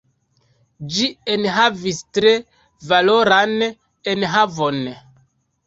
Ĝi enhavis tre valoran enhavon.